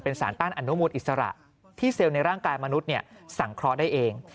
สารต้านอนุมูลอิสระที่เซลล์ในร่างกายมนุษย์สังเคราะห์ได้เอง